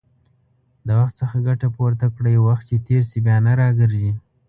د وخت څخه ګټه پورته کړئ، وخت چې تېر شي، بيا نه راګرځي